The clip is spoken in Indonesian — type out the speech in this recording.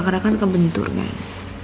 karena kan kebentur kan